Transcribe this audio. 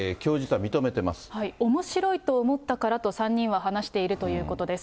おもしろいと思ったからと、３人は話しているということです。